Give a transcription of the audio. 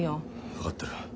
分かってる。